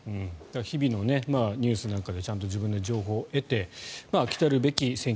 日々のニュースなんかで自分で情報を得て来たるべき選挙